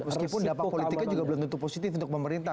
meskipun dampak politiknya juga belum tentu positif untuk pemerintah